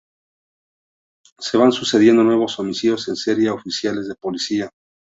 Se van sucediendo nuevos homicidios en serie a oficiales de policía.